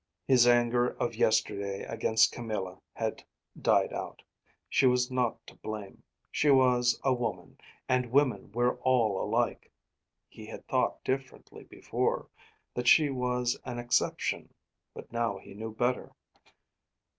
His anger of yesterday against Camilla had died out. She was not to blame; she was a woman, and women were all alike. He had thought differently before; that she was an exception; but now he knew better.